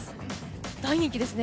大人気ですね。